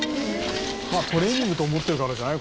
「トレーニングと思ってるからじゃない？」